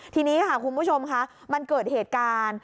ทีนี้ค่ะคุณผู้ชมค่ะมันเกิดเหตุการณ์